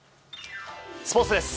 スポーツです。